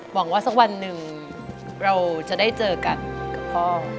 หวังว่าสักวันหนึ่งเราจะได้เจอกันกับพ่อ